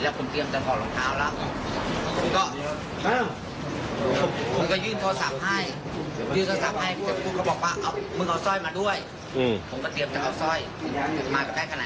แล้วพี่ก็เอาสร้อยมาด้วย